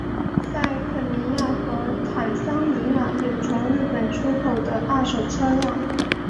在肯尼亚和坦桑尼亚有从日本出口的二手车辆。